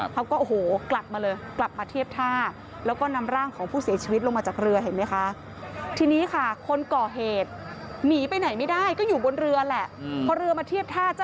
เขาก็กลับมาเลยกลับมาเทียบท่า